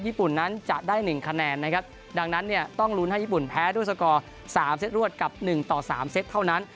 ญุ่นนั้นจะได้หนึ่งคะแนนนะครับดังนั้นเนี่ยต้องลุ้นให้ญี่ปุ่นแพ้ด้วยสกอร์สามเซตรวดกับหนึ่งต่อสามเซตเท่านั้น